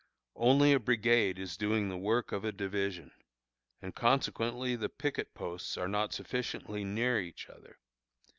Only a brigade is doing the work of a division, and consequently the picket posts are not sufficiently near each other.